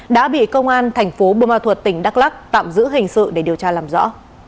đã bị công an thành phố bô ma thuật tỉnh đắk lắc tạm giữ hình sự để điều tra làm rõ